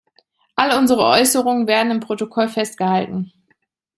All unsere Äußerungen werden im Protokoll festgehalten.